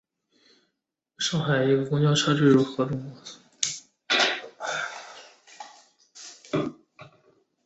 特点是口感干香酥脆。